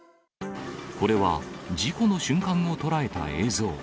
これは事故の瞬間を捉えた映像。